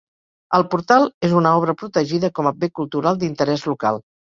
El portal és una obra protegida com a Bé Cultural d'Interès Local.